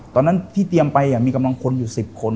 ตอนนั้นที่เตรียมไปมีกำลังคนอยู่๑๐คน